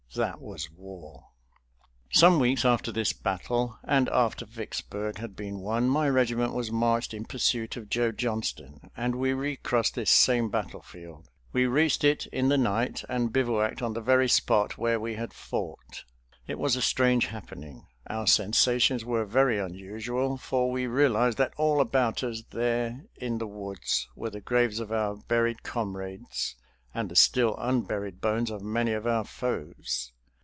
That was war! Some weeks after this battle, and after Vicksburg had been won, my regiment was marched in pursuit of Joe Johnston, and we recrossed this same battlefield. We reached it in the night and bivouacked on the very spot where we had fought. It was a strange happening. Our sensations were very unusual, for we realized that all about us there in the woods were the graves of our buried comrades and the still unburied bones of many of our foes.